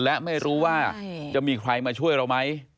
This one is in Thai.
และไม่รู้ว่าจะมีใครมาช่วยเราไหม